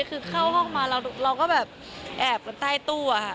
คือเข้าห้องมาเราก็แบบแอบกันใต้ตู้อะค่ะ